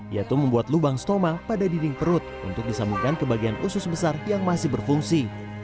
yaitu membuat lubang stoma pada dinding perut untuk disambungkan ke bagian usus besar yang masih berfungsi